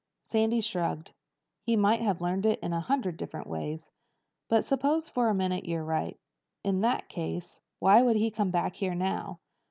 Sandy shrugged. "He might have learned it in a hundred different ways. But suppose for a minute you're right. In that case why would he come back here now?